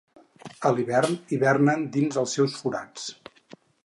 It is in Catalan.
A l'hivern hibernen dins els seus forats.